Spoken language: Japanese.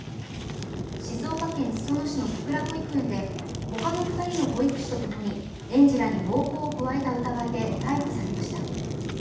静岡県裾野市のさくら保育園で他の２人の保育士とともに園児らに暴行を加えた疑いで逮捕されました。